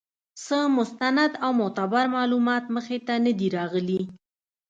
څۀ مستند او معتبر معلومات مخې ته نۀ دي راغلي